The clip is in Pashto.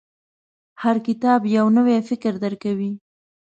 • هر کتاب، یو نوی فکر درکوي.